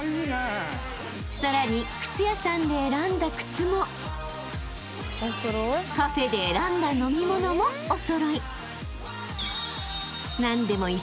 ［さらに靴屋さんで選んだ靴もカフェで選んだ飲み物もお揃い］